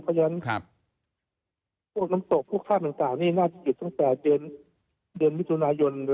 พวกน้ำตกพวกฆ่ามันต่างนี่น่าจะหยุดตั้งแต่เดือนมิถุนายน